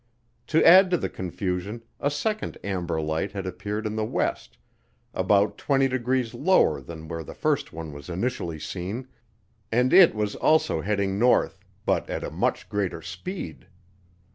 To add to the confusion, a second amber light had appeared in the west about 20 degrees lower than where the first one was initially seen, and it was also heading north but at a much greater speed.